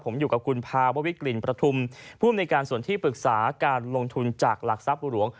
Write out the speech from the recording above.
ผมอยู่กับคุณภาววิกลิ่นประทุมภูมิในการส่วนที่ปรึกษาการลงทุนจากหลักทรัพย์หลวง